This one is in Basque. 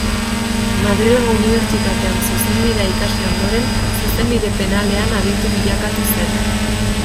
Madrilgo Unibertsitatean zuzenbidea ikasi ondoren, zuzenbide penalean aditu bilakatu zen.